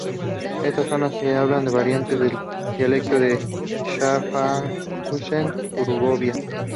En estas zonas se hablan variantes del dialecto de Schaffhausen-Turgovia.